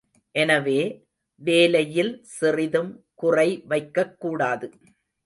எனவே, வேலையில் சிறிதும் குறை வைக்கக்கூடாது.